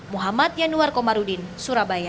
muhammad yanuar komarudin surabaya